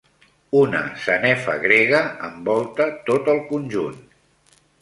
Una sanefa grega envolta tot el conjunt.